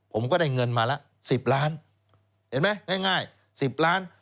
ผมก็ได้เงินมาละ๑๐ล้านเห็นไหมง่าย๑๐ล้าน